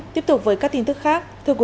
tiếp tục với các tin tức khác